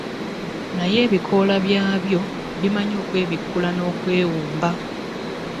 Naye ebikoola byabyo bimanyi okwebikkula n'okwewumba